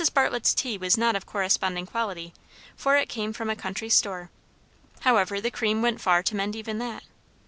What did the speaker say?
Bartlett's tea was not of corresponding quality, for it came from a country store. However, the cream went far to mend even that.